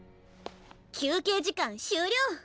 休憩時間終了！